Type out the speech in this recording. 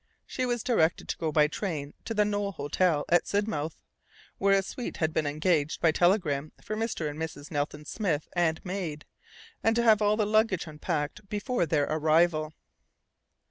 She was directed to go by train to the Knowle Hotel at Sidmouth (where a suite had been engaged by telegram for Mr. and Mrs. Nelson Smith and maid) and to have all the luggage unpacked before their arrival.